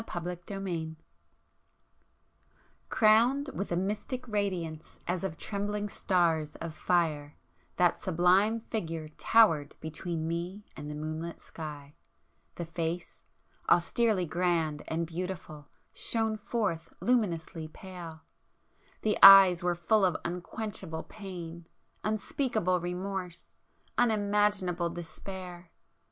Back [p 469]XLI Crowned with a mystic radiance as of trembling stars of fire, that sublime Figure towered between me and the moonlit sky; the face, austerely grand and beautiful, shone forth luminously pale,—the eyes were full of unquenchable pain, unspeakable remorse, unimaginable despair!